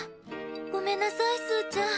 ごめんなさいすうちゃん。